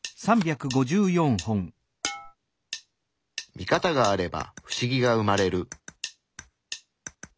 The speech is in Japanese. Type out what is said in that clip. ミカタがあればフシギが生まれる。